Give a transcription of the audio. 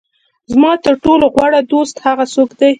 زما تر ټولو غوره دوست هغه څوک دی.